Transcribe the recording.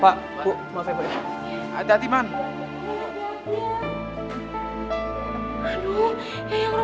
m harus dari mana